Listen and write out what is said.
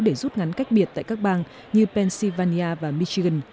để rút ngắn cách biệt tại các bang như pennsylvania và michigan